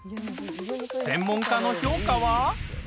専門家の評価は？